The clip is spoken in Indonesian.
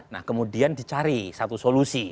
nah kemudian dicari satu solusi